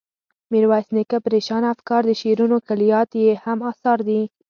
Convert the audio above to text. میرویس نیکه، پریشانه افکار، د شعرونو کلیات یې هم اثار دي.